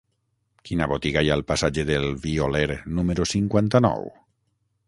Quina botiga hi ha al passatge del Violer número cinquanta-nou?